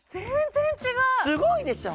すごいでしょう？